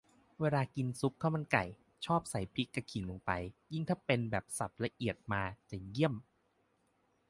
เวลากินซุปข้าวมันไก่ ชอบใส่พริกกะขิงลงไป ยิ่งถ้าเป็นแบบสับละเอียดมาจะเยี่ยม